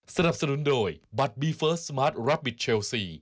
สนับสนุนโดยบัตรบีเฟิร์สสมาร์ทรับบิทเชลซี